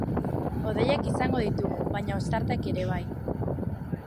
Hodeiak izango ditugu, baina ostarteak ere bai.